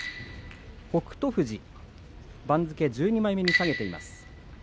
北勝富士、番付１２枚目に下げています。